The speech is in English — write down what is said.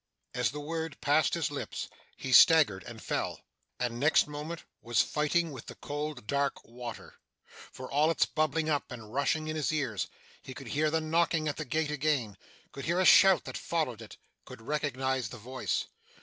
As the word passed his lips, he staggered and fell and next moment was fighting with the cold dark water! For all its bubbling up and rushing in his ears, he could hear the knocking at the gate again could hear a shout that followed it could recognise the voice.